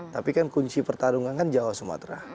tapi kan kunci pertarungan kan jawa sumatera